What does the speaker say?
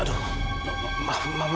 aida sudah mau ke dyur main kusub